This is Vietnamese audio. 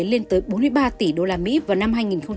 lên tới bốn mươi ba tỷ usd vào năm hai nghìn hai mươi